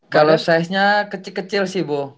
kalau size nya kecil kecil sih bu